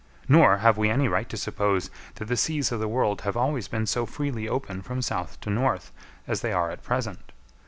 Nor have we any right to suppose that the seas of the world have always been so freely open from south to north as they are at present.